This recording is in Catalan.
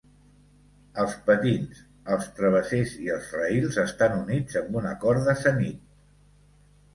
Els patins, els travessers i els rails estan units amb una corda sennit.